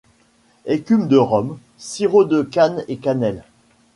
Écume de rhum, sirop de canne et cannelle.